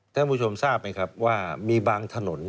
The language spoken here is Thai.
ท่านผู้ชมทราบไหมครับว่ามีบางถนน